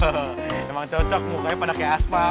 emang cocok mukanya pada kayak aspal